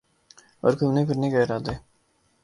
اور گھومنے پھرنے کا ارادہ ہے